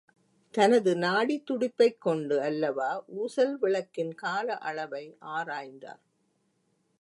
தனது நாடித் துடிப்பைக் கொண்டு அல்லவா ஊசல் விளக்கின் கால அளவை ஆராய்ந்தார்!